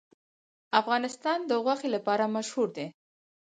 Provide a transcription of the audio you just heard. افغانستان د غوښې لپاره مشهور دی.